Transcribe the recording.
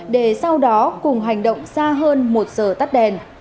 để sau đó cùng hành động xa hơn một giờ tắt đèn